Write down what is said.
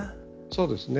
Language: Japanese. そうですね。